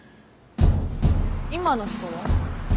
今の人は？え？